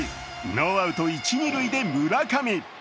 ノーアウト一・二塁で村上。